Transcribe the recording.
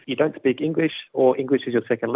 atau bahasa inggris adalah lingkaran kedua anda